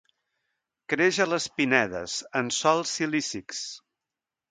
Creix a les pinedes, en sòls silícics.